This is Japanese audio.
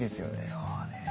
そうね。